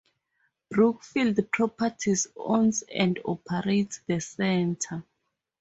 Brookfield Properties owns and operates the centre.